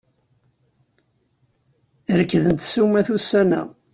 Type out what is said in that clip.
Rekdent ssumat ussan-a.